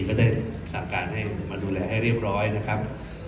ก็ได้สั่งการให้มาดูแลให้เรียบร้อยนะครับ